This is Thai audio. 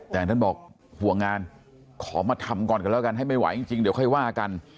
แต่ท่านบอกห่วงงานขอมาทำก่อนกันแล้วกันให้ไม่ไหวจริงเดี๋ยวค่อยว่ากัน